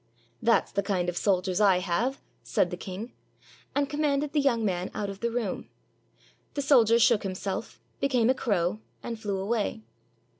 ''That's the kind of soldiers I have," said the king, and commanded the young man out of the room. The soldier shook himself, became a crow, and flew away.